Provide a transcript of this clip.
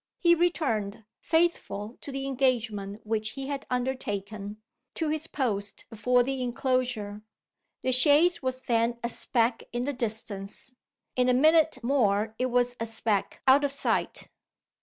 He returned faithful to the engagement which he had undertaken to his post before the inclosure. The chaise was then a speck in the distance. In a minute more it was a speck out of sight.